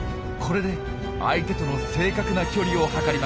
これで相手との正確な距離を測ります。